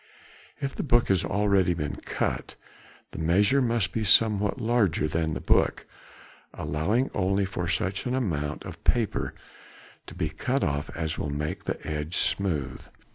If the book has already been cut the measure must be somewhat larger than the book, allowing only such an amount of paper to be cut off as will make the edge smooth.